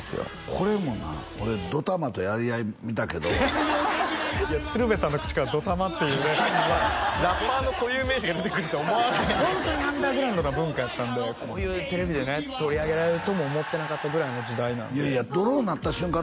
これもな俺ＤＯＴＡＭＡとやり合い見たけど鶴瓶さんの口からＤＯＴＡＭＡっていうねラッパーの固有名詞が出てくるとは思わないホントにアンダーグラウンドな文化やったんでこういうテレビでね取り上げられるとも思ってなかったぐらいの時代なんでドローになった瞬間